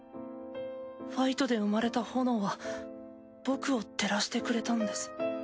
ファイトで生まれた炎は僕を照らしてくれたんです。